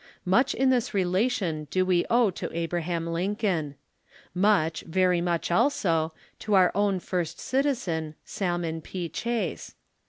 Much in this relation do we owe to Abraham Lincoln. Much, very much also, to our own first citizen, Salmon P. Chase.